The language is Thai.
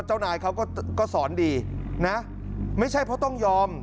เจ้านายเขาก็สอนดีนะไม่ใช่เพราะต้องยอม